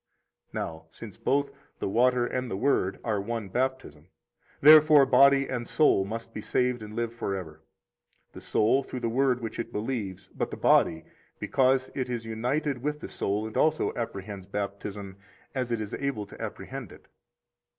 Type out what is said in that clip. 46 Now, since both, the water and the Word, are one Baptism, therefore body and soul must be saved and live forever: the soul through the Word which it believes, but the body because it is united with the soul and also apprehends Baptism as it is able to apprehend it.